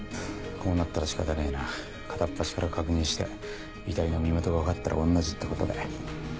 こうなったら仕方ねえな片っ端から確認して遺体の身元が分かったら御の字ってことで。